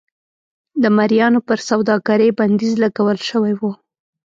د مریانو پر سوداګرۍ بندیز لګول شوی و.